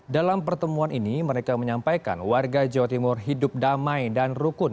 dalam pertemuan ini mereka menyampaikan warga jawa timur hidup damai dan rukun